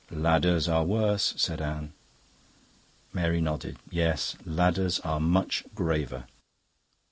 "Ladders are worse," said Anne. Mary nodded. "Yes, ladders are much graver."